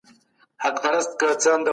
کډوال د نویو ټولنو په جوړولو کي ونډه اخلي.